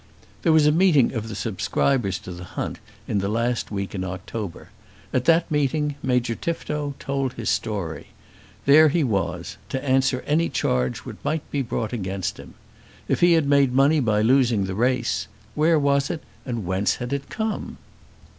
There was a meeting of the subscribers to the hunt in the last week of October. At that meeting Major Tifto told his story. There he was, to answer any charge which might be brought against him. If he had made money by losing the race, where was it and whence had it come?